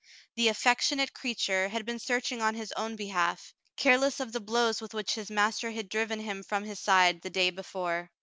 The affectionate creature had been searching on his own behalf, careless of the blows with which his master had driven him from his side the day before.